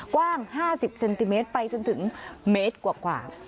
กว้าง๕๐เซนติเมตรไปจนถึงเมตรกว่า